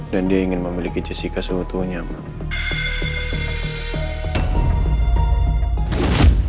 dan dia ingin memiliki jessica seumur seumurnya mama